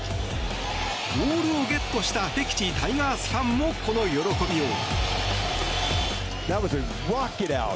ボールをゲットした敵地タイガースファンもこの喜びよう。